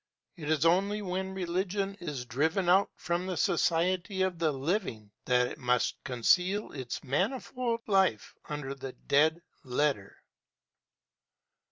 It is only when religion is driven out from the society of the living, that it must conceal its manifold life under the dead letter.